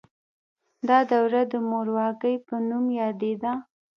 دا دوره د مورواکۍ په نوم یادیده.